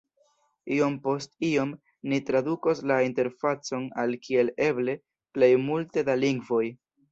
Iom post iom, ni tradukos la interfacon al kiel eble plej multe da lingvoj.